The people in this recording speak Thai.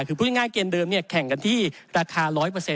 คือพูดง่ายเกมเดิมแข่งกันที่ราคา๑๐๐